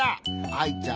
アイちゃん